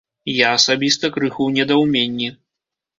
Я асабіста крыху ў недаўменні.